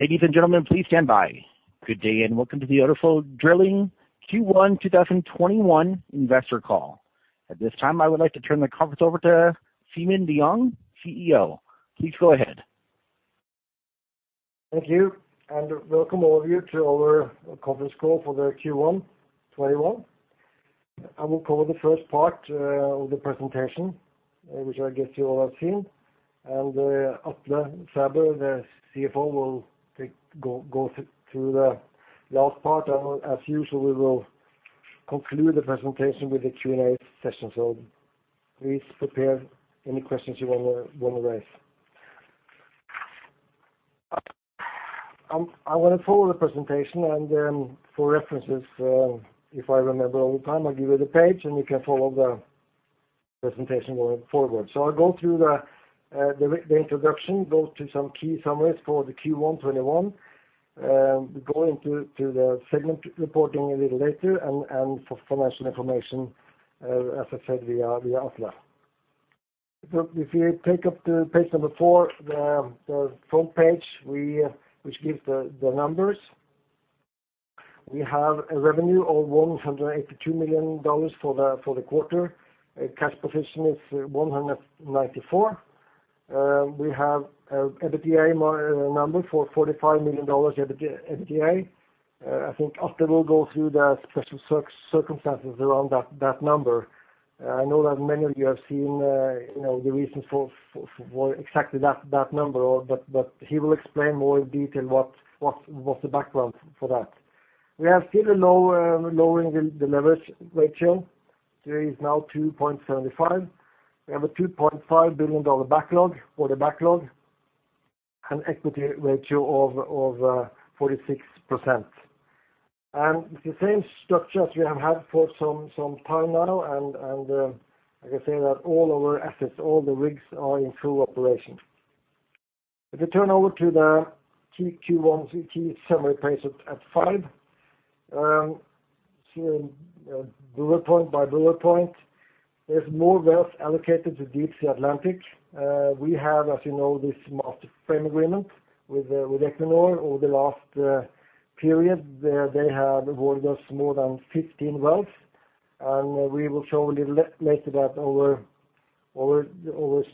Good day. Welcome to the Odfjell Drilling Q1 2021 investor call. At this time, I would like to turn the conference over to Simen Lieungh, CEO. Please go ahead. Thank you, welcome all of you to our conference call for the Q1 2021. I will cover the first part of the presentation, which I guess you all have seen, and Atle Sæbø, the CFO, will go through the last part. As usual, we will conclude the presentation with a Q&A session, so please prepare any questions you want to raise. I want to follow the presentation, and for references, if I remember on time, I'll give you the page, and you can follow the presentation going forward. I'll go through the introduction, go through some key summaries for the Q1 2021, go into the segment reporting a little later and for financial information, as I said, we are up there. If you take up the page number four, the front page, which gives the numbers. We have a revenue of $182 million for the quarter. Cash position is $194 million. We have an EBITDA number for $45 million. I think Atle will go through the special circumstances around that number. I know that many of you have seen the reason for exactly that number. He will explain more in detail what the background is for that. We have seen a lowering in leverage ratio, which is now 2.75x. We have a $2.5 billion order backlog, and equity ratio of 46%. The same structure as we have had for some time now, and I can say that all our assets, all the rigs are in full operation. If you turn over to the Q1 summary page at five. Seeing bullet point by bullet point. There's more wells allocated to Deepsea Atlantic. We have, as you know, this multi-client agreement with Equinor over the last period, where they have awarded us more than 15 wells. We will show a little later that our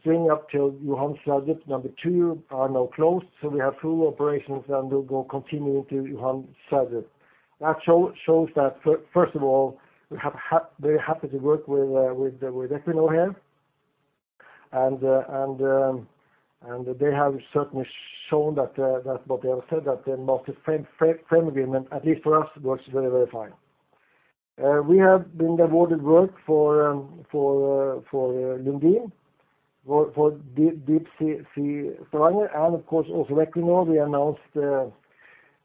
string up to Johan Sverdrup number II are now closed. We have full operations, and we will go continuing to Johan Sverdrup. That shows that, first of all, they're happy to work with Equinor here. They have certainly shown that what they have said, that the multi-client agreement, at least for us, works very fine. We have been awarded work for Lundin, for Deepsea Stavanger, and of course also Equinor. We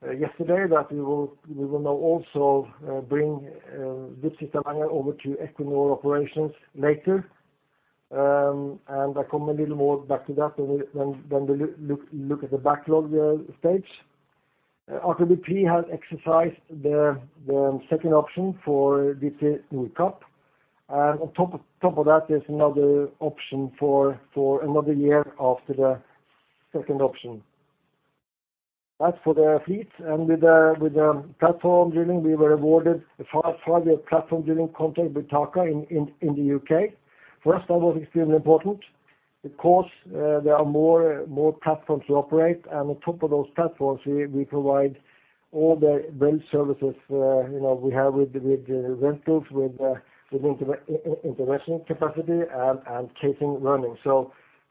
announced yesterday that we will now also bring Deepsea Stavanger over to Equinor operations later. I come a little more back to that when we look at the backlog stage. Odfjell Drilling has exercised their second option for Deepsea Nordkapp, and on top of that, there's another option for another year after the second option. That's for the fleets. With the platform drilling, we were awarded our largest platform drilling contract with TAQA in the U.K. For us, that was extremely important because there are more platforms to operate, and on top of those platforms, we provide all the well services we have with the rentals, with the intervention capacity and casing running.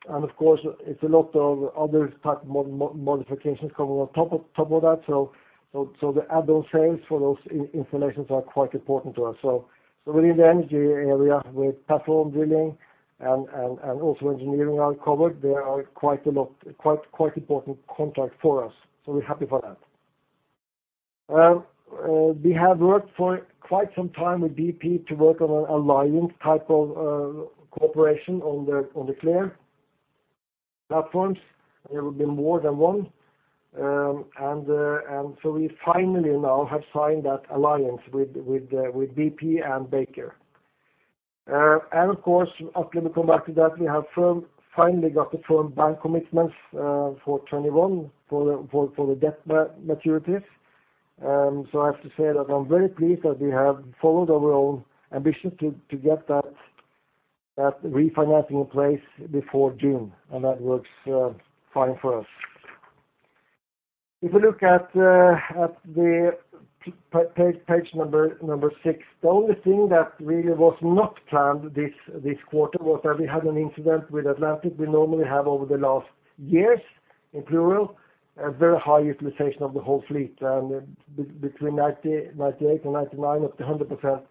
Of course, it's a lot of other type modifications coming on top of that. The add-on sales for those installations are quite important to us. In the energy area with platform drilling and also engineering are covered, they are quite important contract for us. We're happy for that. We have worked for quite some time with BP to work on an alliance type of cooperation on the Clair platforms. There will be more than one. We finally now have signed that alliance with BP and Baker. Of course, Atle will come back to that. We have finally got the firm bank commitments for 2021 for the debt maturities. I have to say that I'm very pleased that we have followed our own ambition to get that refinancing in place before June, and that works fine for us. If you look at page number six. The only thing that really was not planned this quarter was that we had an incident with Atlantic. We normally have over the last years, in plural, a very high utilization of the whole fleet, and between 98% and 99%, up to 100%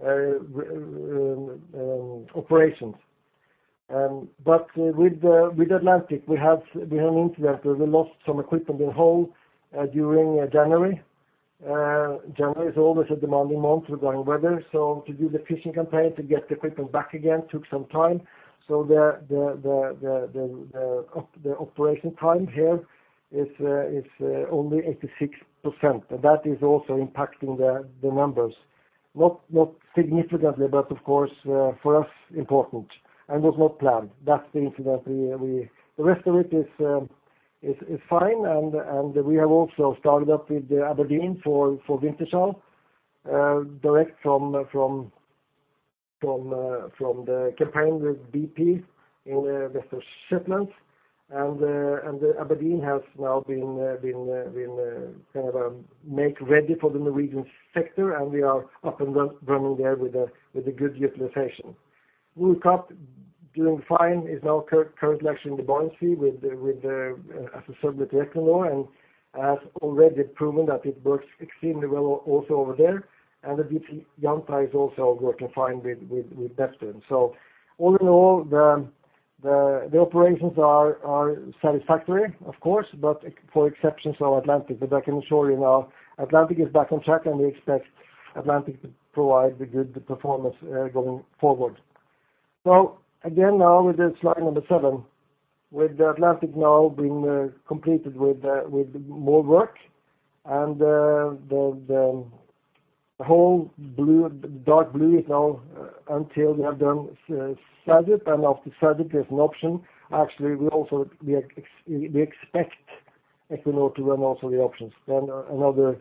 operations. With Atlantic, we had an incident where we lost some equipment in hole during January. January is always a demanding month with wrong weather. To do the fishing campaign to get the equipment back again took some time. The operation time here is only 86%, and that is also impacting the numbers. Not significantly, of course, for us, important and was not planned. That's the incident. The rest of it is fine, and we have also started up with the Aberdeen for Wintershall, direct from the campaign with BP in West of Shetland. The Aberdeen has now been make ready for the Norwegian sector, and we are up and running there with a good utilization. Nordkapp, doing fine, is now currently actually in the Barents Sea as a service with Equinor, and has already proven that it works extremely well also over there. The Deepsea Yantai is also working fine with Neptune. All in all, the operations are satisfactory, of course, but for exception of Atlantic. I can assure you now, Atlantic is back on track, and we expect Atlantic to provide the good performance going forward. Again, now with the slide number seven, with the Atlantic now being completed with more work, and the whole dark blue is now until we have done SAGIP, and after SAGIP there's an option. Actually, we expect Equinor to run also the options. Another,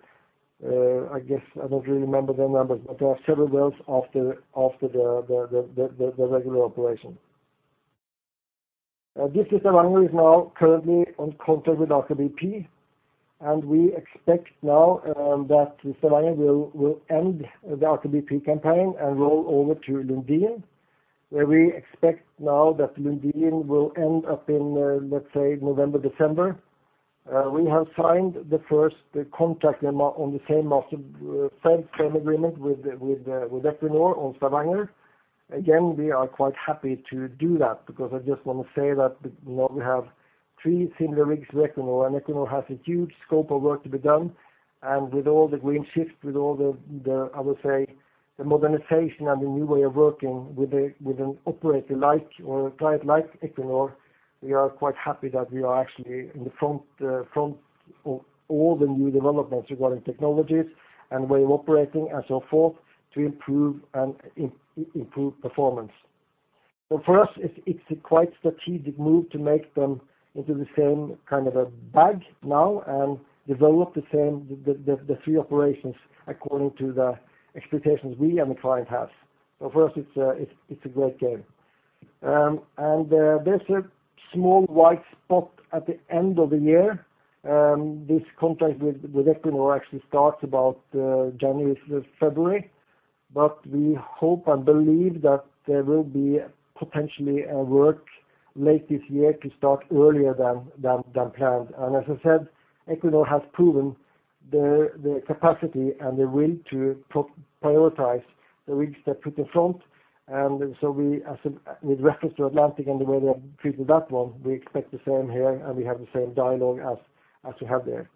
I guess, I don't really remember the numbers, but there are several wells after the regular operation. Deepsea Stavanger is now currently on contract with Aker BP, and we expect now that Stavanger will end the Aker BP campaign and roll over to Lundin. Where we expect now that Lundin will end up in, let's say, November, December. We have signed the first contract on the same agreement with Equinor on Stavanger. Again, we are quite happy to do that because I just want to say that now we have three similar rigs with Equinor. Equinor has a huge scope of work to be done. With all the green shift, with all the, I would say, the modernization and the new way of working with an operator like or a client like Equinor, we are quite happy that we are actually in the front of all the new developments regarding technologies and way of operating and so forth to improve performance. For us, it's a quite strategic move to make them into the same kind of a bag now and develop the three operations according to the expectations we and the client have. For us, it's a great game. There's a small white spot at the end of the year. This contract with Equinor actually starts about January, February. We hope and believe that there will be potentially a work late this year to start earlier than planned. As I said, Equinor has proven the capacity and the will to prioritize the rigs they put in front. With reference to Atlantic and the way they have treated that one, we expect the same here, and we have the same dialogue as we have there.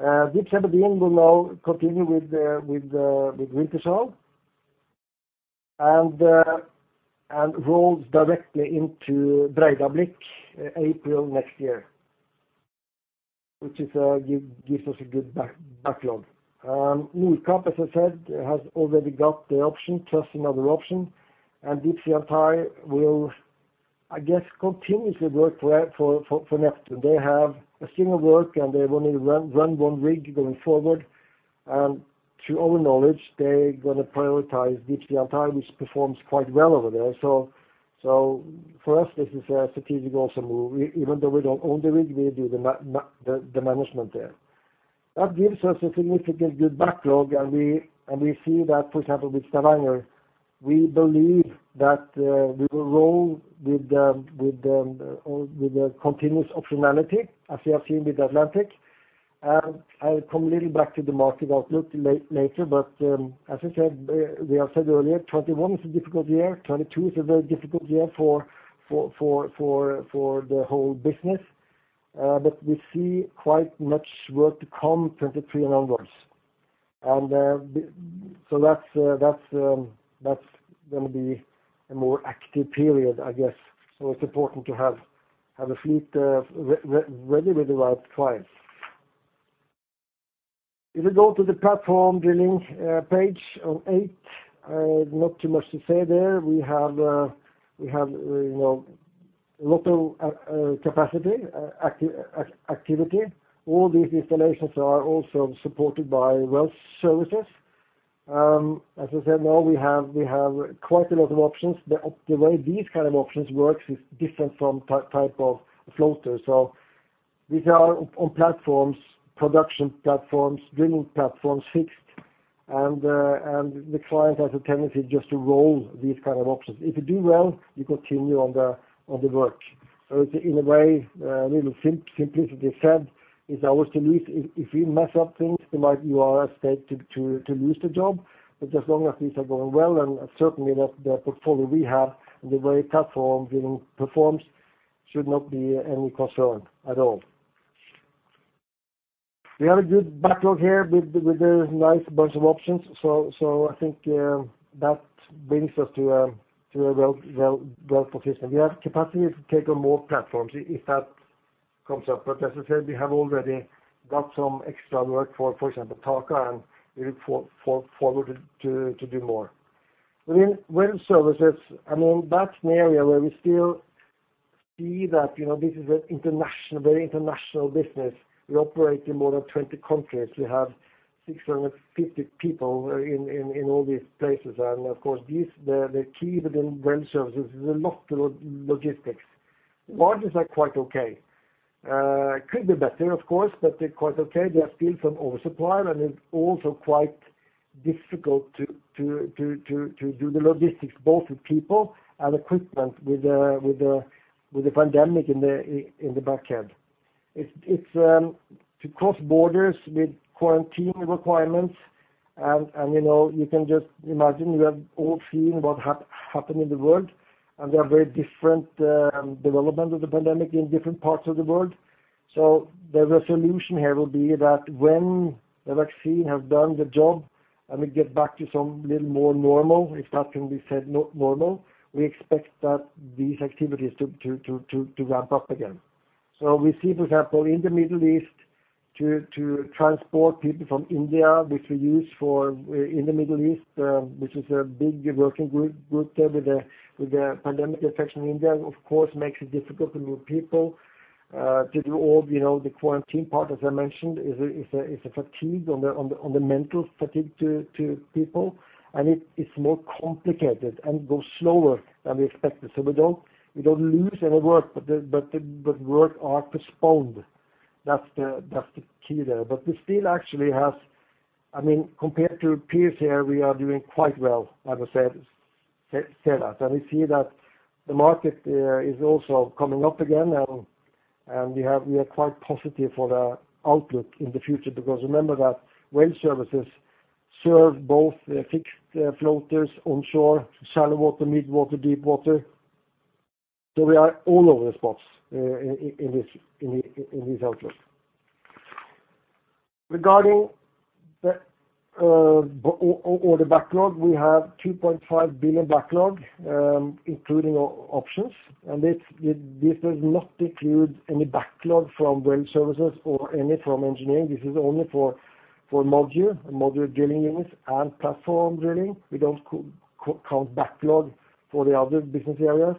Deepsea Aberdeen will now continue with Wintershall and rolls directly into Breidablikk April next year, which gives us a good backlog. Nordkapp, as I said, has already got the option, just another option. Deepsea Yantai will, I guess, continuously work for Neptune. They have a similar work, and they will need to run one rig going forward. To our knowledge, they're going to prioritize Deepsea Yantai, which performs quite well over there. For us, this is a strategic also move. Even though we don't own the rig, we do the management there. That gives us a significant good backlog, and we see that, for example, with Stavanger, we believe that we will roll with the continuous optionality as we have seen with Atlantic. I'll come a little back to the market outlook later, but as I said, we have said earlier, 2021 is a difficult year. 2022 is a very difficult year for the whole business. We see quite much work to come 2023 onwards. That's going to be a more active period, I guess. It's important to have a fleet ready with the right clients. We go to the platform drilling page on eight, not too much to say there. We have a lot of capacity, activity. All these installations are also supported by well services. As I said, now we have quite a lot of options. The way these kind of options works is different from type of floater. These are on platforms, production platforms, drilling platforms, fixed, and the client has a tendency just to roll these kind of options. If you do well, you continue on the work. It's, in a way, really simplicity said, is our belief. If we mess up things, you are at stake to lose the job. As long as things are going well, and certainly the portfolio we have and the way platform drilling performs should not be any concern at all. We have a good backlog here with a nice bunch of options. I think that brings us to a well position. We have capacity to take on more platforms if that comes up. As I said, we have already got some extra work, for example, TAQA, and we look forward to do more. Within well services, that's an area where we still see that this is a very international business. We operate in more than 20 countries. We have 650 people in all these places. Of course, the key within well services is a lot to do with logistics. Margins are quite okay. Could be better, of course, but they're quite okay. There are still some oversupply, and it's also quite difficult to do the logistics, both with people and equipment, with the pandemic in the back end. To cross borders with quarantine requirements and you can just imagine, we have all seen what happened in the world, and there are very different development of the pandemic in different parts of the world. The resolution here will be that when the vaccine has done the job and we get back to some little more normal, if that can be said, normal, we expect that these activities to ramp up again. We see, for example, in the Middle East to transport people from India, which we use in the Middle East, which is a big working group there with the pandemic effect in India, of course, makes it difficult to move people, to do all the quarantine part, as I mentioned, is a fatigue on the mental fatigue to people. It's more complicated and goes slower than we expected. We don't lose any work. Work are postponed. That's the key there. We still actually have, compared to peers here, we are doing quite well, I would say that. We see that the market there is also coming up again, and we are quite positive for the outlook in the future because remember that well services serve both the fixed floaters onshore, shallow water, mid water, deep water. We are all over the spots in this outlook. Regarding the backlog, we have $2.5 billion backlog, including options, and this does not include any backlog from well services or any from engineering. This is only for MODU drilling units and platform drilling. We don't count backlog for the other business areas,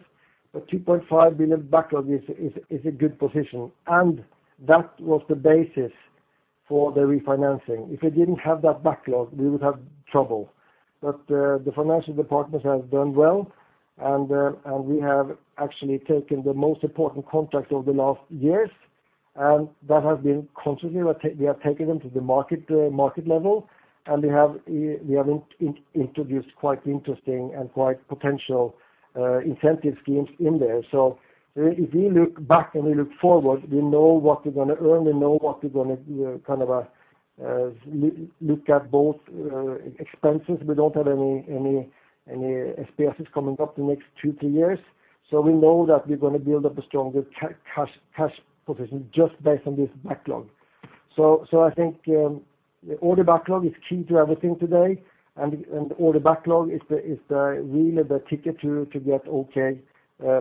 but $2.5 billion backlog is a good position. That was the basis for the refinancing. If we didn't have that backlog, we would have trouble. The financial department has done well, and we have actually taken the most important contract over the last years, and that has been constantly, we have taken them to the market level, and we have introduced quite interesting and quite potential incentive schemes in there. If we look back and we look forward, we know what we're going to earn, we know what we're going to look at both expenses. We don't have any SPSs coming up the next two, three years. We know that we're going to build up a stronger cash position just based on this backlog. I think the order backlog is key to everything today, and order backlog is really the ticket to get okay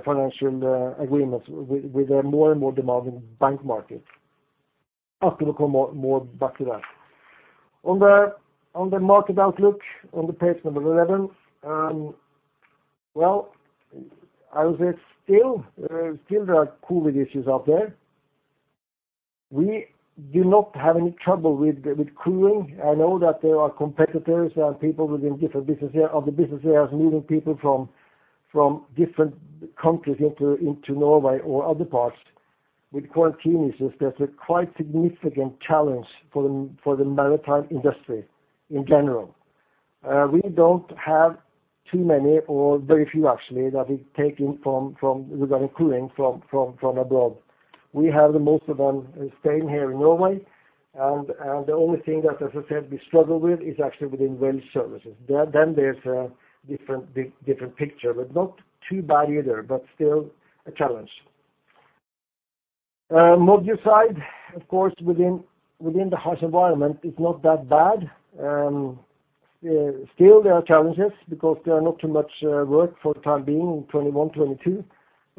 financial agreements with a more and more demanding bank market. I have to come more back to that. On the market outlook on page 11, well, I would say still there are COVID-19 issues out there. We do not have any trouble with COVID-19. I know that there are competitors and people within different other business areas moving people from different countries into Norway or other parts with quarantine issues. That's a quite significant challenge for the maritime industry in general. We don't have too many or very few actually, that we've taken regarding COVID-19 from abroad. We have the most of them staying here in Norway. The only thing that, as I said, we struggle with is actually within well services. There's a different picture, but not too bad either, but still a challenge. MODU side, of course, within the harsh environment, it's not that bad. Still there are challenges because there are not too much work for the time being in 2021, 2022.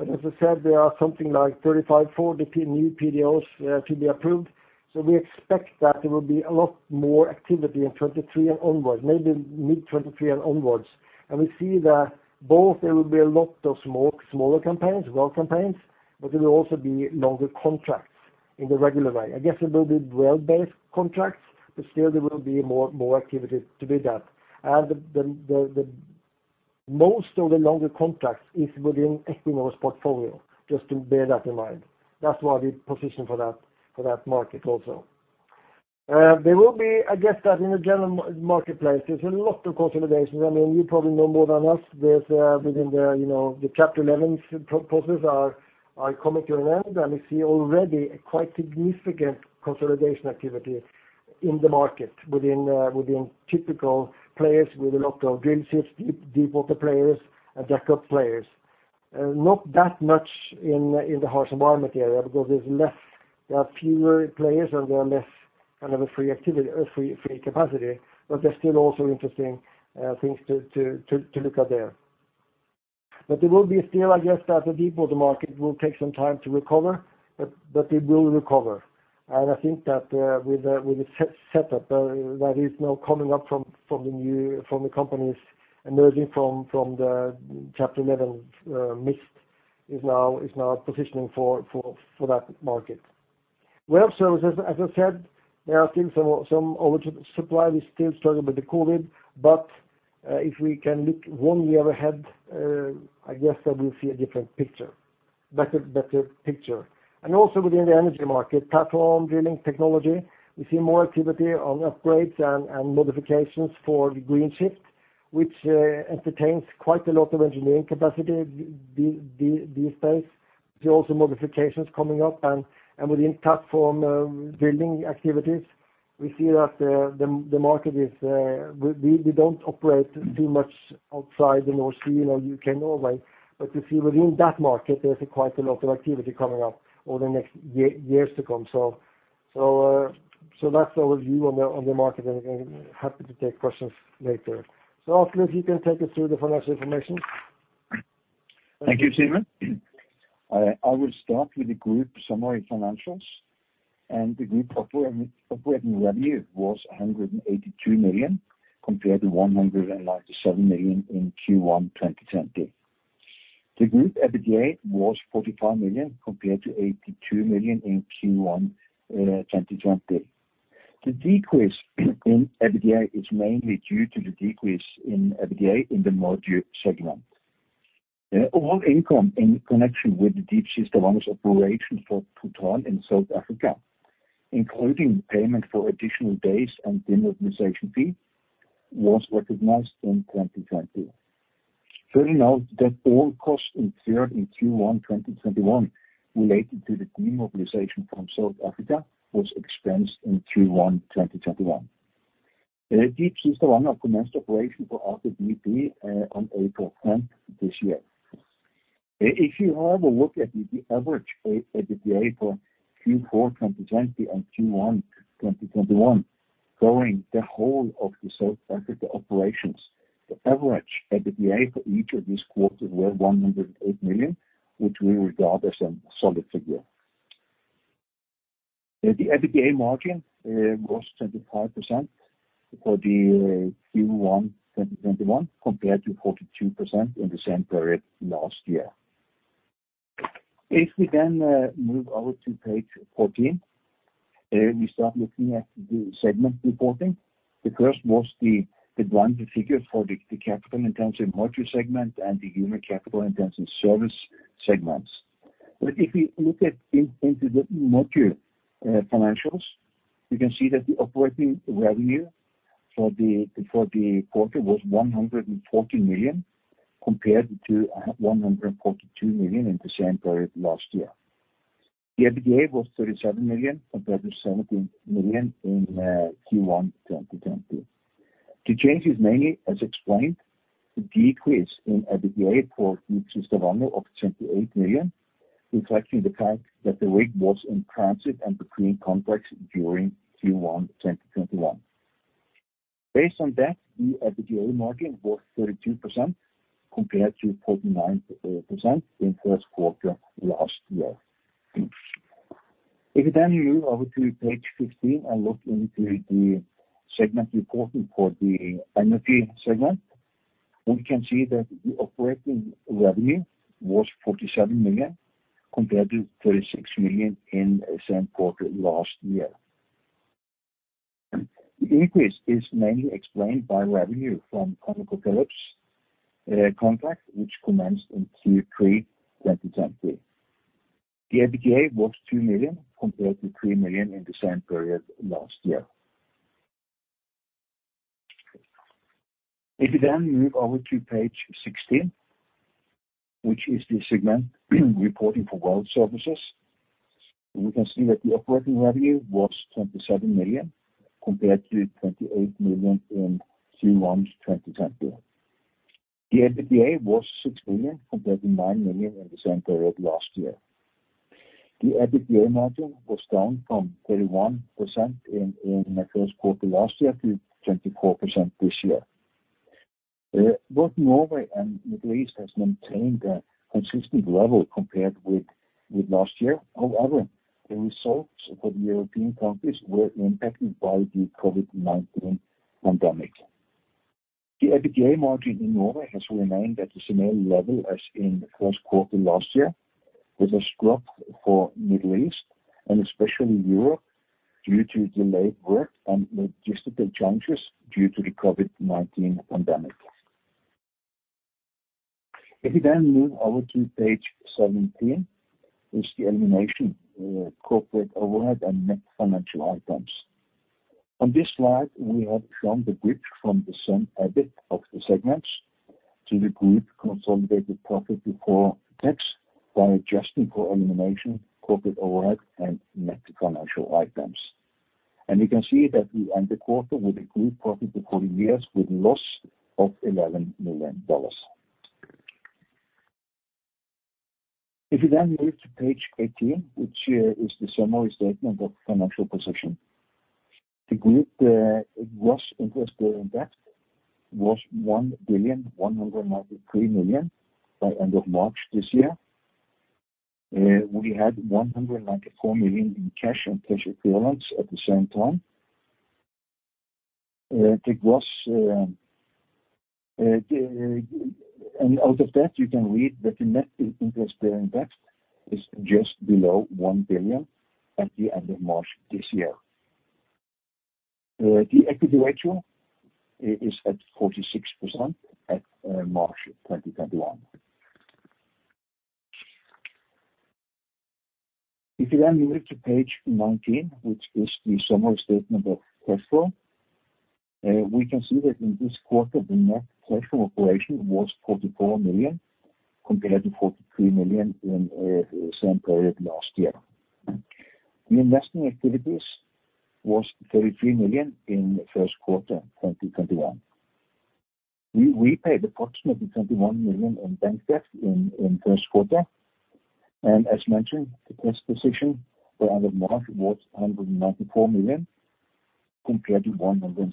As I said, there are something like 35, 40 new PDOs to be approved. We expect that there will be a lot more activity in 2023 and onwards, maybe mid-2023 and onwards. We see that both there will be a lot of smaller campaigns, well campaigns, but there will also be longer contracts in the regular way. I guess it will be well-based contracts, but still there will be more activity to be done. The most of the longer contracts is within Equinor's portfolio, just to bear that in mind. That's why we position for that market also. I guess that in the general marketplace, there's a lot of consolidation. You probably know more than us. There's within the Chapter 11 processes are coming to an end, we see already a quite significant consolidation activity in the market within typical players with a lot of drill ships, deep water players, and jackup players. Not that much in the harsh environment area because there are fewer players and there are less free capacity, there's still also interesting things to look at there. It will be still, I guess, that the deepwater market will take some time to recover, it will recover. I think that with the setup that is now coming up from the companies emerging from the Chapter 11 mist is now positioning for that market. As I said, there are still some oversupply. We're still struggling with the COVID, if we can look one year ahead, I guess that we'll see a different picture, better picture. Also within the energy market platform, drilling technology, we see more activity on upgrades and modifications for the green shift, which entertains quite a lot of engineering capacity these days. We see also modifications coming up and within platform building activities, we see that the market is. We don't operate too much outside the North Sea and U.K., Norway. If you were in that market, there's quite a lot of activity coming up over the next years to come. That's the review on the market. I'm happy to take questions later. Atle if you can take us through the financial information. Thank you, Simen. I will start with the group summary financials. The group operating revenue was $182 million compared to $197 million in Q1 2020. The group EBITDA was $45 million compared to $82 million in Q1 2020. The decrease in EBITDA is mainly due to the decrease in EBITDA in the module segment. Overall income in connection with the Deepsea Stavanger operations for Total in South Africa, including payment for additional days and demobilization fee, was recognized in 2020. Please note that all costs incurred in Q1 2021 related to the demobilization from South Africa was expensed in Q1 2021. Deepsea Stavanger commenced operation for Aker BP on April 10th this year. If you have a look at the average EBITDA for Q4 2020 and Q1 2021 covering the whole of the South Africa operations, the average EBITDA for each of these quarters were $108 million, which we regard as a solid figure. The EBITDA margin was 25% for the Q1 2021 compared to 42% in the same period last year. If we then move over to page 14, we start looking at the segment reporting. The first was the underlying figures for the capital-intensive MODU segment and the human capital-intensive service segments. If we look at the MODU financials, you can see that the operating revenue for the quarter was $140 million compared to $142 million in the same period last year. The EBITDA was $37 million compared to $17 million in Q1 2020. The change is mainly as explained, the decrease in EBITDA for Deepsea Stavanger of $28 million, reflecting the fact that the rig was in transit and between contracts during Q1 2021. Based on that, the EBITDA margin was 32% compared to 49% in first quarter last year. You then move over to page 15 and look into the segment reporting for the Energy segment, we can see that the operating revenue was $47 million compared to $36 million in the same quarter last year. The increase is mainly explained by revenue from ConocoPhillips contract, which commenced in Q3 2020. The EBITDA was $2 million compared to $3 million in the same period last year. You then move over to page 16, which is the segment reporting for Well Services, we can see that the operating revenue was $27 million compared to $28 million in Q1 2020. The EBITDA was $6 million compared to $9 million in the same period last year. The EBITDA margin was down from 31% in the first quarter last year to 24% this year. Both Norway and Middle East has maintained a consistent level compared with last year. However, the results for the European countries were impacted by the COVID-19 pandemic. The EBITDA margin in Norway has remained at a similar level as in the first quarter last year, with a drop for Middle East and especially Europe due to delayed work and logistical challenges due to the COVID-19 pandemic. If you move over to page 17, is the elimination corporate overhead and net financial items. On this slide, we have shown the bridge from the segment EBIT of the segments to the group consolidated profit before tax by adjusting for elimination corporate overhead and net financial items. You can see that we end the quarter with a group profit before years with loss of $11 million. You move to page 18, which is the summary statement of financial position. The group gross interest-bearing debt was $1.193 billion by end of March this year. We had $194 million in cash and cash equivalents at the same time. Out of that, you can read that the net interest-bearing debt is just below $1 billion at the end of March this year. The equity ratio is at 46% at March 2021. You move to page 19, which is the summary statement of cash flow, we can see that in this quarter, the net cash from operation was $44 million, compared to $43 million in the same period last year. The investing activities was $33 million in the first quarter 2021. We paid approximately $21 million in bank debt in first quarter. As mentioned, the cash position by end of March was $194 million, compared to $174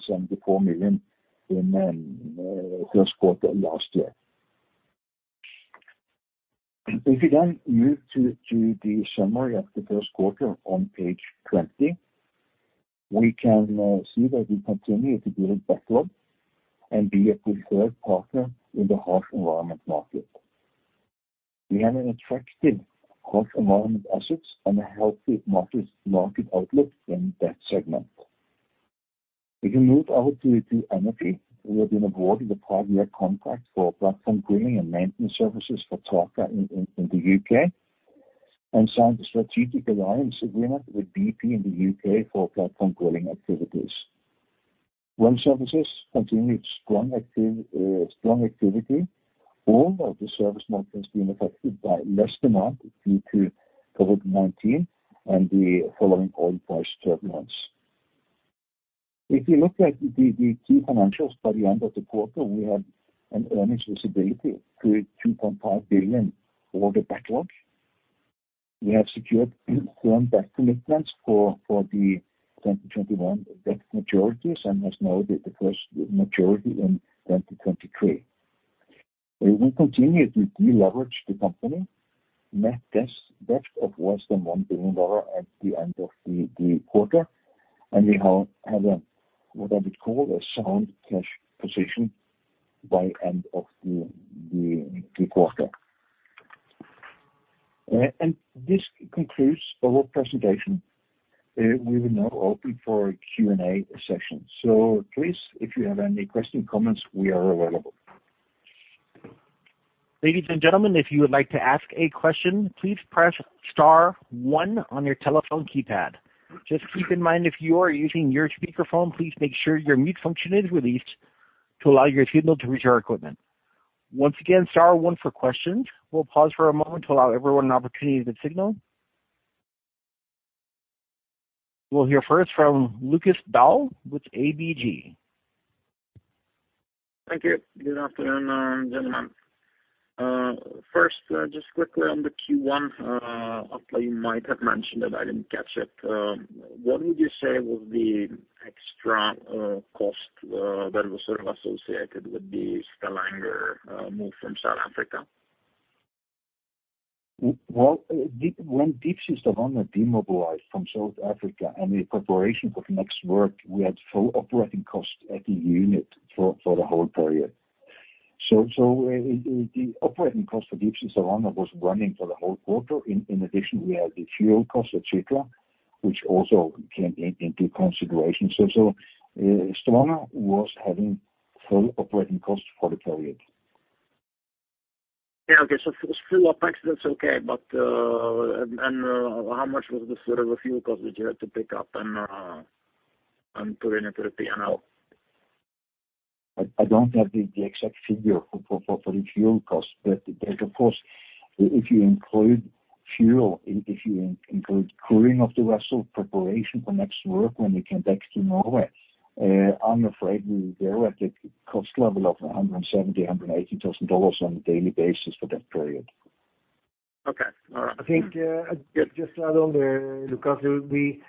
million in first quarter last year. If you then move to the summary of the first quarter on page 20, we can see that we continue to build backlog and be a preferred partner in the harsh environment market. We have an attractive harsh environment assets and a healthy market outlook in that segment. If you move over to energy, we have been awarded a five-year contract for platform drilling and maintenance services for TAQA in the U.K., and signed a strategic alliance agreement with BP in the U.K. for platform drilling activities. Well services continued strong activity. All of the service markets being affected by less demand due to COVID-19 and the following oil price turbulence. If you look at the key financials by the end of the quarter, we had an earnings visibility of $2.5 billion ordered backlog. We have secured firm debt commitments for the 2021 debt maturities and has now the first maturity in 2023. We continue to deleverage the company. Net debt of less than $1 billion at the end of the quarter. We have what I would call a sound cash position by end of the quarter. This concludes our presentation. We will now open for Q&A session. Please, if you have any questions, comments, we are available. Ladies and gentlemen, if you would like to ask a question, please press star one on your telephone keypad. Just keep in mind, if you are using your speakerphone, please make sure your mute function is released to allow your signal to reach our equipment. Once again, star one for questions. We will pause for a moment to allow everyone an opportunity to signal. We will hear first from Lukas Daul with ABG. Thank you. Good afternoon, gentlemen. First, just quickly on the Q1. Atle, you might have mentioned it, I didn't catch it. What would you say was the extra cost that was sort of associated with the Stavanger move from South Africa? Well, when Deepsea Stavanger demobilized from South Africa and in preparation for the next work, we had full operating costs at the unit for the whole period. The operating cost for Deepsea Stavanger was running for the whole quarter. In addition, we had the fuel cost, et cetera, which also came into consideration. Stavanger was having full operating costs for the period. Yeah. Okay. Full OpEx, that's okay. How much was the sort of fuel cost that you had to pick up and put into the P&L? I don't have the exact figure for the fuel cost. There's of course, if you include fuel, if you include crewing of the vessel preparation for next work when it came back to Norway, I'm afraid we were at a cost level of $170,000-$180,000 on a daily basis for that period. Okay. All right. I think, just to add on there, Lukas, we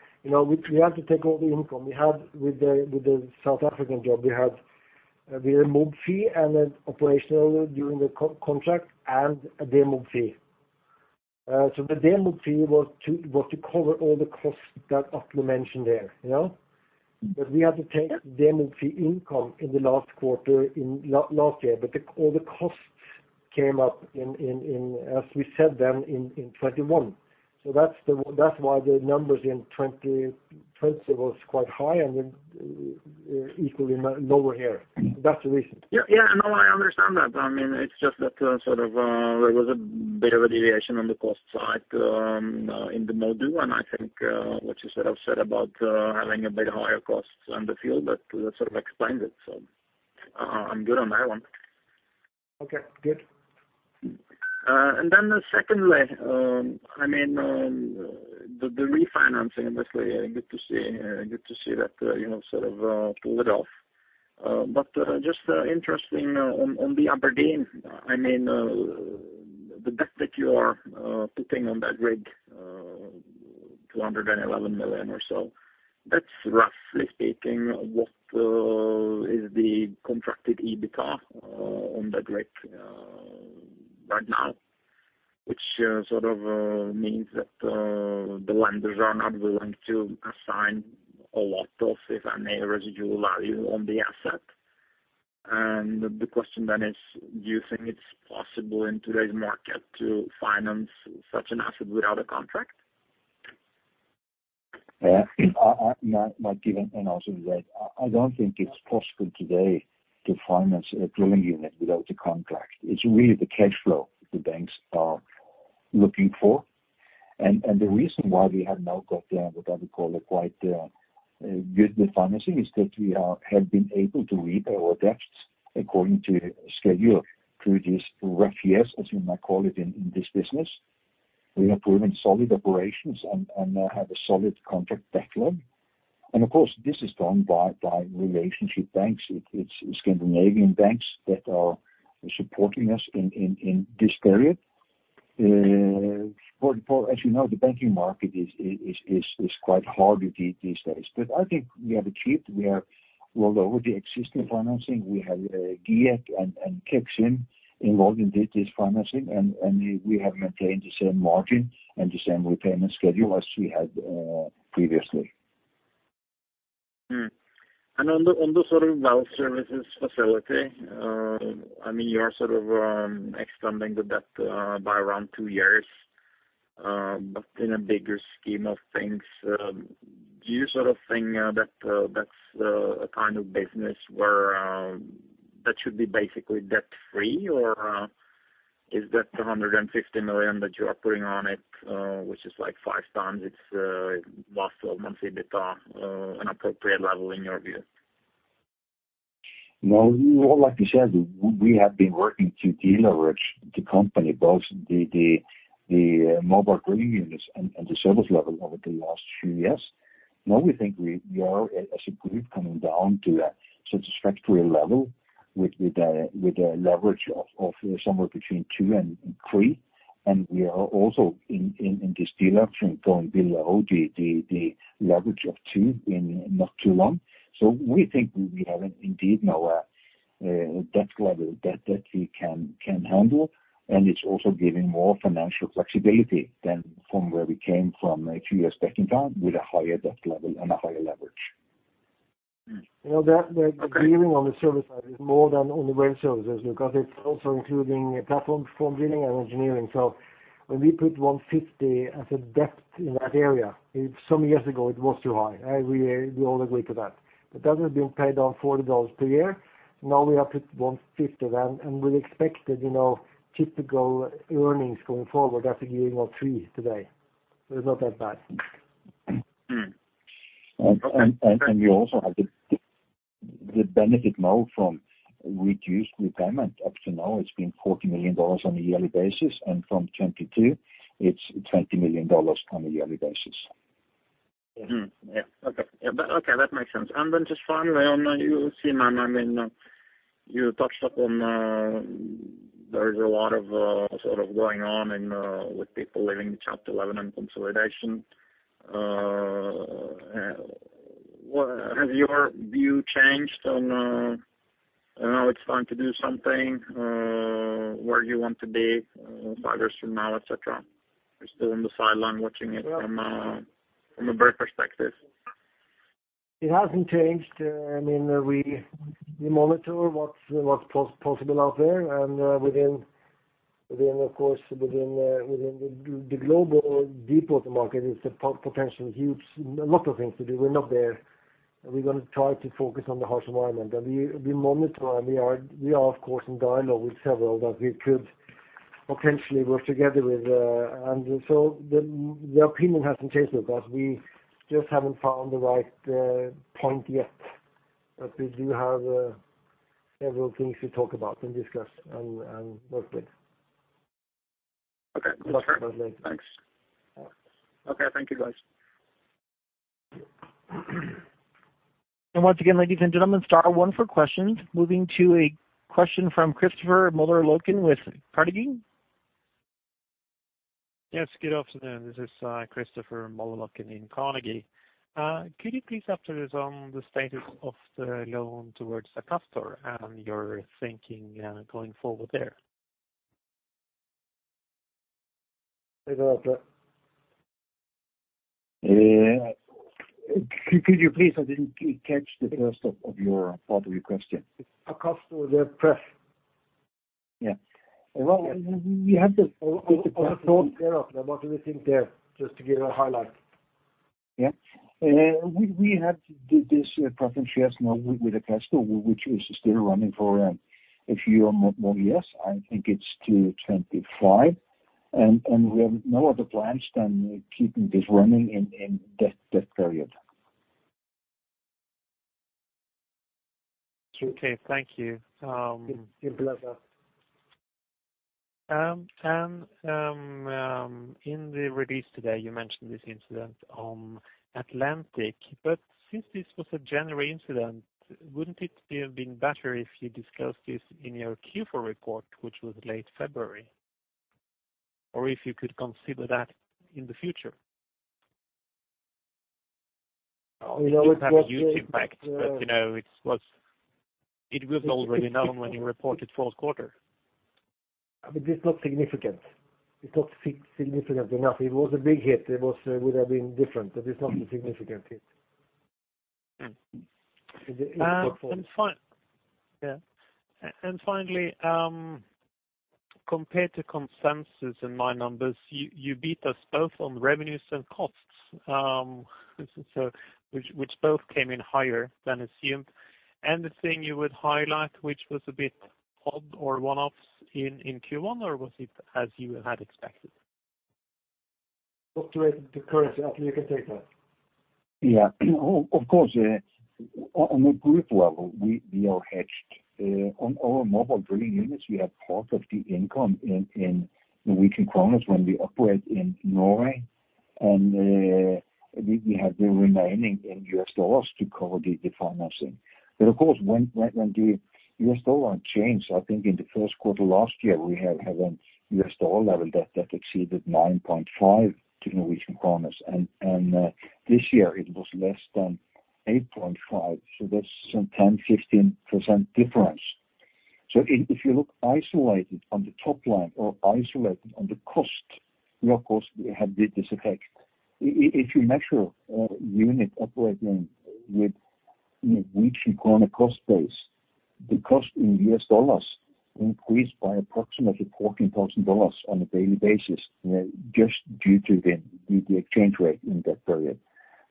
had to take all the income we had with the South African job. We had the mob fee and then operational during the contract and a demob fee. The demob fee was to cover all the costs that Atle mentioned there. We had to take demob fee income in the last quarter in last year. All the costs came up in, as we said then, in 2021. That's why the numbers in 2020 was quite high and then equally lower here. That's the reason. Yeah. No, I understand that. It's just that sort of, there was a bit of a deviation on the cost side in the MODU, and I think, what you sort of said about having a bit higher costs on the field, that sort of explains it. I'm good on that one. Okay, good. Secondly, the refinancing, obviously, good to see that you pulled it off. Just interesting on the Aberdeen, the debt that you are putting on that rig, 211 million or so. That's roughly speaking, what is the contracted EBITA on that rig right now, which sort of means that the lenders are not willing to assign a lot of, if any, residual value on the asset. The question then is, do you think it's possible in today's market to finance such an asset without a contract? My given answer is that I don't think it's possible today to finance a drilling unit without a contract. It's really the cash flow that the banks are looking for. The reason why we have now got what I would call a quite good financing is that we have been able to repay our debts according to schedule through these rough years, as you might call it, in this business. We have proven solid operations and have a solid contract backlog. Of course, this is done by relationship banks. It's Scandinavian banks that are supporting us in this period. As you know, the banking market is quite hard these days. I think we are well over the existing financing. We have geared and kept in line with this financing, and we have maintained the same margin and the same repayment schedule as we had previously. On the sort of well services facility, you are sort of extending the debt by around two years. In a bigger scheme of things, do you sort of think now that's a kind of business where that should be basically debt-free, or is that the 150 million that you are putting on it, which is like 5x its monthly EBITDA, an appropriate level in your view? Well, like you said, we have been working to deleverage the company, both the mobile drilling units and the service level over the last three years. We think we are, as a group, coming down to a satisfactory level with a leverage of somewhere between 2x and 3x. We are also in this deleveraging going below the leverage of two in not too long. We think we have indeed now a debt level that we can handle, and it's also giving more financial flexibility than from where we came from two years back in time with a higher debt level and a higher leverage. The drilling on the service side is more than on the well services because it's also including platform performing and engineering. When we put 150 as a debt in that area, some years ago, it was too high. I agree with that. That has been paid down NOK 40 million per year. We are at NOK 150 million, we expect that typical earnings going forward are giving us 3 million today. It's not that bad. We also have the benefit now from reduced repayment. Up to now, it's been NOK 40 million on a yearly basis, from 2022, it's NOK 20 million on a yearly basis. Yeah. Okay. That makes sense. Just finally, you touched upon there's a lot of sort of going on with people leaving Chapter 11 and consolidation. Has your view changed on now it's time to do something where you want to be five years from now, et cetera? You're still on the sideline watching it from a bird perspective. It hasn't changed. We monitor what's possible out there. Of course, within the global Deepsea market, it's a potentially huge lot of things to do. We're not there. We're going to try to focus on the harsh environment. We monitor, we are, of course, in dialogue with several that we could potentially work together with. The opinion hasn't changed, but we just haven't found the right point yet. We do have several things to talk about and discuss, and that's it. Okay. That's fair. Thanks. Okay. Thank you, guys. Once again, ladies and gentlemen, star one for questions. Moving to a question from Kristoffer Møller-Huken with Carnegie. Yes, good afternoon. This is Kristoffer Møller-Huken in Carnegie. Could you please update us on the status of the loan towards Akastor and your thinking going forward there? I didn't catch the first of your follow-up question. Akastor, the press. Yeah. We have the press notes there. I'm not going to think there just to give a highlight. Yeah. We have this preference share now with Akastor, which is still running for a few more years. I think it's till 2025, and we have no other plans than keeping this running in that period. Okay. Thank you. You're welcome. In the release today, you mentioned this incident on Atlantic, but since this was a January incident, wouldn't it have been better if you discussed this in your Q4 report, which was late February? If you could consider that in the future? We always have the- It had a huge impact, but it was already known when you reported fourth quarter. It's not significant. It's not significant enough. If it was a big hit, it would've been different, but it's not a significant hit. Finally, compared to consensus and my numbers, you beat us both on revenues and costs, which both came in higher than assumed. Anything you would highlight which was a bit odd or one-offs in Q1, or was it as you had expected? Related to currency, I think I take that. Of course, on a group level, we are hedged. On our mobile drilling units, we have part of the income in Norwegian kroner when we operate in Norway, and we have the remaining in US dollars to cover the financing. Of course, when the US dollar changed, I think in the first quarter of last year, we had a US dollar level that exceeded 9.5 to Norwegian kroner. This year it was less than 8.5, so that's a 10%-15% difference. If you look isolated on the top line or isolated on the cost, of course, it had this effect. If you measure a unit operating with Norwegian kroner cost base, the cost in US dollars increased by approximately $14,000 on a daily basis, just due to the exchange rate in that period.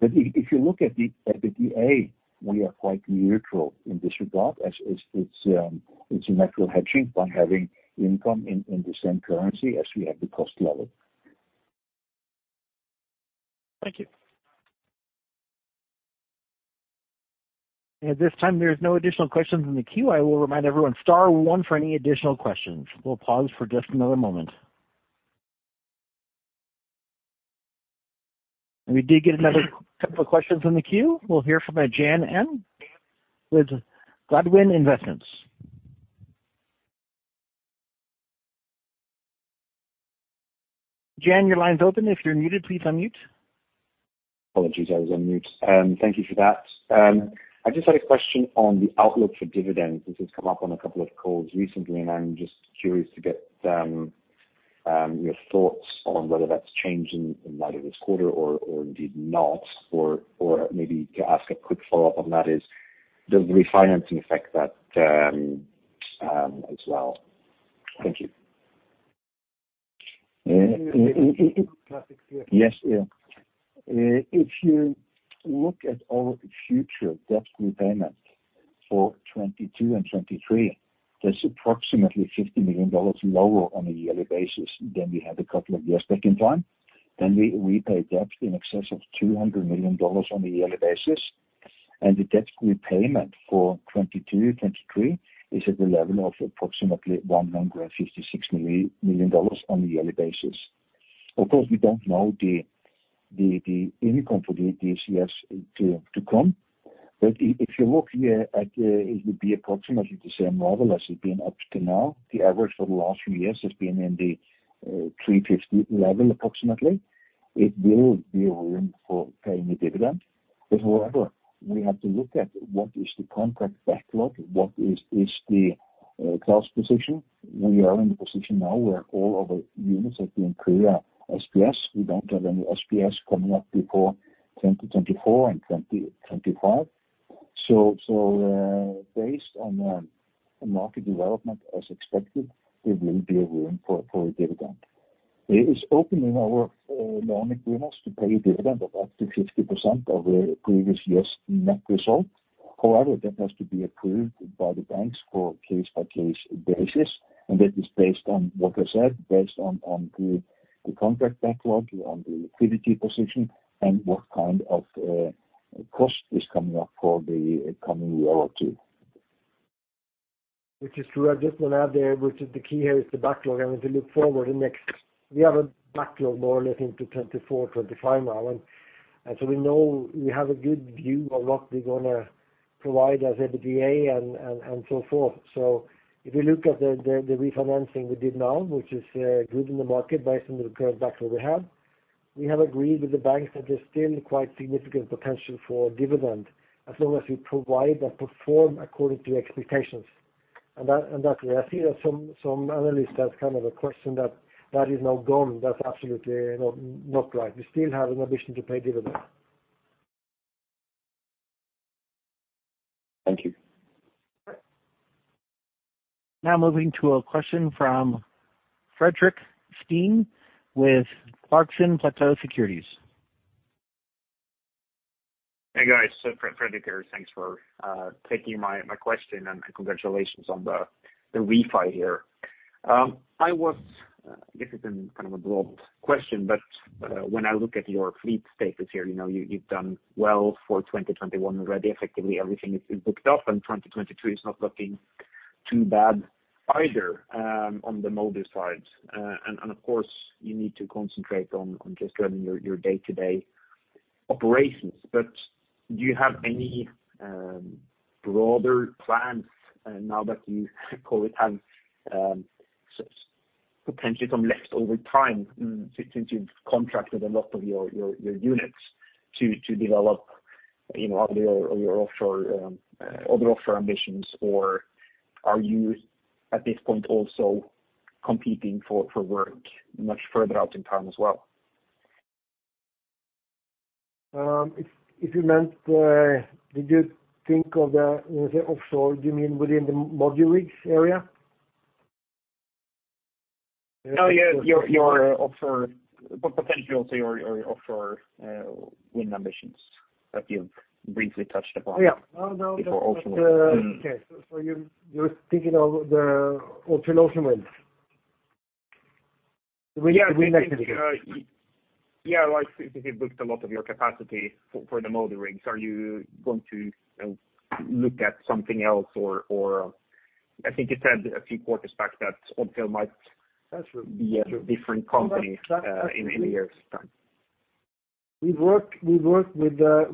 If you look at the D&A, we are quite neutral in this regard as it's a natural hedging by having income in the same currency as we have the cost level. Thank you. At this time, there's no additional questions in the queue. I will remind everyone, star one for any additional questions. We'll pause for just another moment. We did get another couple of questions in the queue. We'll hear from Jan M with Godwin Investments. Jan, your line's open. If you're muted, please unmute. Apologies, I was on mute. Thank you for that. I just had a question on the outlook for dividends. This has come up on a couple of calls recently, and I'm just curious to get your thoughts on whether that's changing in the latest quarter or indeed not, or maybe to ask a quick follow-up on that is the refinancing effect that as well. Thank you. Yes. If you look at all the future debt repayments for 2022 and 2023, that's approximately $50 million lower on a yearly basis than we had a couple of years back in time. We paid debts in excess of $200 million on a yearly basis. The debt repayment for 2022, 2023 is at the level of approximately $156 million on a yearly basis. Of course, we don't know the income for these years to come. If you look here, it would be approximately the same level as it's been up to now. The average for the last few years has been in the 350 level approximately. It will be room for paying a dividend. However, we have to look at what is the contract backlog, what is the cash position. We are in a position now where all of our units are in clear SPS. We don't have any SPS coming up before 2024 and 2025. Based on the market development as expected, there will be room for a dividend. It is open in our loan agreements to pay a dividend of up to 50% of the previous year's net result. That has to be approved by the banks for case-by-case basis, and that is based on what I said, based on the contract backlog, on the liquidity position, and what kind of cost is coming up for the coming year or two. Which is true. I just want to add there, which is the key here is the backlog. If you look forward, we have a backlog more or less into 2024, 2025 now. We know we have a good view of what we're going to provide as EBITDA and so forth. If you look at the refinancing we did now, which is good in the market based on the current backlog we have, we have agreed with the banks that there's still quite significant potential for dividend as long as we provide or perform according to expectations. That's where I see that some analysts have kind of a question that that is now gone. That's absolutely not right. We still have an ambition to pay dividend. Thank you. Now moving to a question from Fredrik Stene with Clarksons Platou Securities. Hey, guys. Fredrik here. Thanks for taking my question, and congratulations on the refi here. I guess it's a broad question, but when I look at your fleet status here, you've done well for 2021 already. Effectively everything is booked up, and 2022 is not looking too bad either on the MODU side. Of course, you need to concentrate on just running your day-to-day operations. Do you have any broader plans now that you have potentially some leftover time since you've contracted a lot of your units to develop other offshore ambitions, or are you at this point also competing for work much further out in time as well? If you meant, did you think of the, when you say offshore, do you mean within the MODU rigs area? No, your offshore, potential to your offshore wind ambitions that you've briefly touched upon. Yeah. Before offshore. Okay. You're thinking of the Odfjell Oceanwind? The wind activity. Yeah, like since you've booked a lot of your capacity for the MODU rigs, are you going to look at something else or, I think you said a few quarters back that Odfjell might- That's true. be a different company in a year's time. We work with the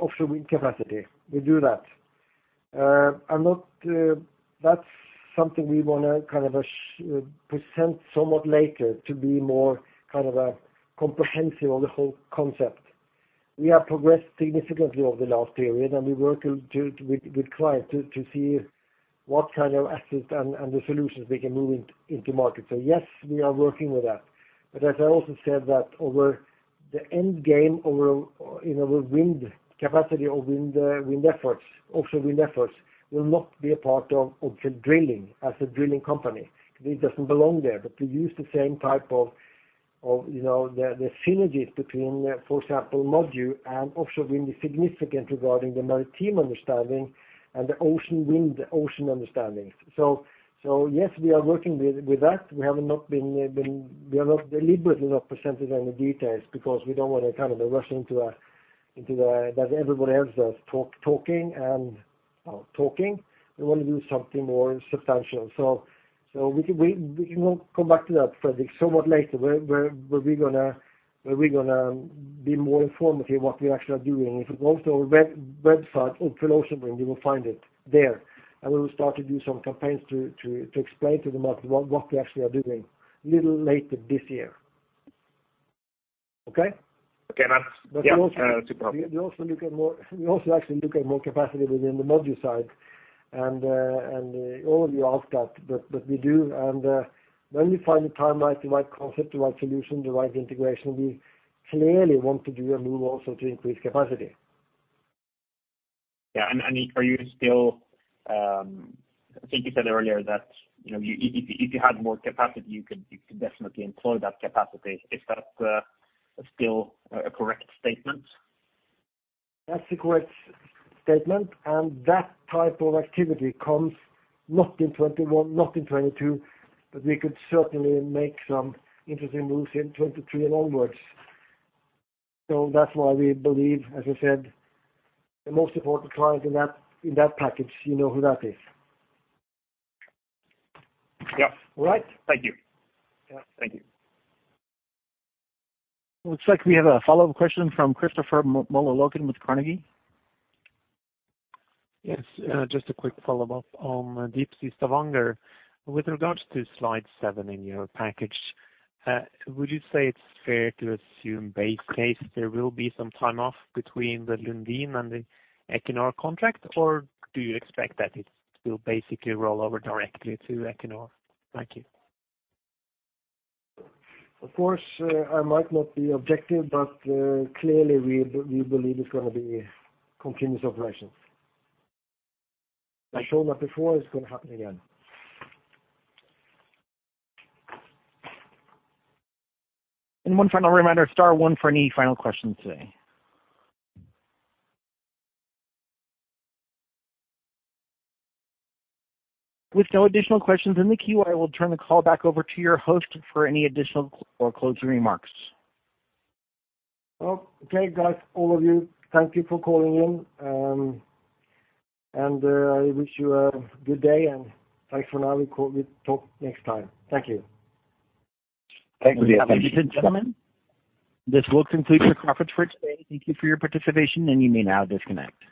offshore wind capacity. We do that. That's something we want to present somewhat later to be more comprehensive on the whole concept. We have progressed significantly over the last period, and we work with clients to see what kind of assets and the solutions we can move into market. Yes, we are working with that. As I also said that over the end game, over wind capacity or wind efforts, offshore wind efforts, will not be a part of Odfjell Drilling as a drilling company because it doesn't belong there. We use the same type of synergies between, for example, MODU and offshore wind is significant regarding the maritime understanding and the ocean wind, ocean understandings. Yes, we are working with that. We deliberately have not presented any details because we don't want to rush into that everybody else does, talking and talking. We want to do something more substantial. We can come back to that, Fredrik, somewhat later where we're going to be more informative what we actually are doing. If you go to our website, Odfjell Oceanwind, you will find it there, and we will start to do some campaigns to explain to the market what we actually are doing little later this year. Okay? Okay, man. Yeah, no, super. We also actually look at more capacity within the MODU side, and all of you asked that, but we do, and when we find the time, right, the right concept, the right solution, the right integration, we clearly want to do a move also to increase capacity. Yeah, are you still, I think you said earlier that if you had more capacity, you could definitely employ that capacity. Is that still a correct statement? That's a correct statement, that type of activity comes not in 2021, not in 2022, but we could certainly make some interesting moves in 2023 and onwards. That's why we believe, as I said, the most important client in that package, you know who that is. Yeah. All right. Thank you. Yeah. Thank you. Looks like we have a follow-up question from Kristoffer Møller-Huken with Carnegie. Yes, just a quick follow-up on Deepsea Stavanger. With regards to slide seven in your package, would you say it's fair to assume base case there will be some time off between the Lundin and the Equinor contract, or do you expect that it will basically roll over directly to Equinor? Thank you. Of course, I might not be objective, clearly we believe it's going to be continuous operations. I've shown that before, it's going to happen again. One final reminder, star one for any final questions today. With no additional questions in the queue, I will turn the call back over to your host for any additional or closing remarks. Okay, guys, all of you, thank you for calling in. I wish you a good day. Thanks for now. We talk next time. Thank you. Thank you. Ladies and gentlemen, this will conclude the conference for today. Thank you for your participation. You may now disconnect.